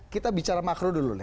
kita bicara makro dulu